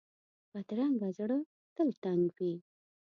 بدرنګه زړه تل تنګ وي